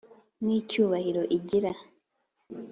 n’ icyubahiro igira,